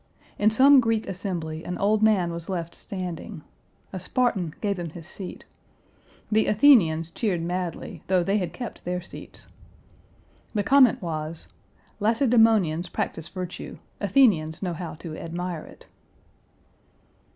In some Greek assembly an old man was left standing. A Spartan gave him his seat. The Athenians cheered madly, though they had kept their seats. The comment was, "Lacedemonians practice virtue; Athenians know how to admire it."